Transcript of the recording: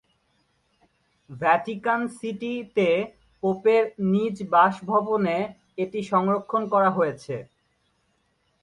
Vatican সিটি-তে পোপের নিজ বাসভবনে এটি সংরক্ষণ করা হয়েছে।